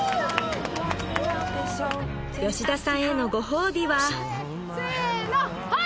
吉田さんへのご褒美はせのはい！